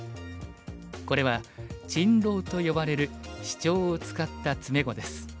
これは珍瓏と呼ばれるシチョウを使った詰碁です。